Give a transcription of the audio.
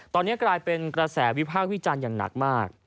ตอนนี้กลายเป็นกระแสวิพากษ์วิจารณ์อย่างหนักมาก